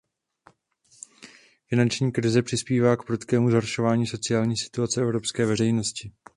Finanční krize přispívá k prudkému zhoršování sociální situace evropské veřejnosti.